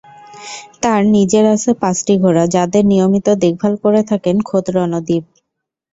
তাঁর নিজের আছে পাঁচটি ঘোড়া, যাদের নিয়মিত দেখভাল করে থাকেন খোদ রণদ্বীপ।